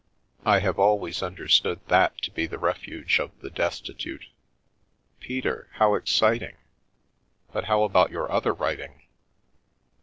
I have always understood that to be the refuge of the destitute." "Peter, how exciting 1 But how about your other writing?"